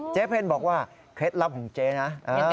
เพลบอกว่าเคล็ดลับของเจ๊นะ